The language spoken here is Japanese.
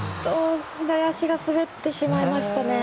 左足が滑ってしまいましたね。